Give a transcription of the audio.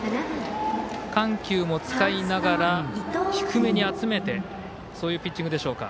緩急も使いながら低めに集めてそういうピッチングでしょうか。